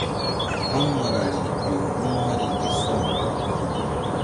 Haŋ manari ƴo mbu̧h hani ke suŋ.